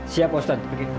siap pak ustadz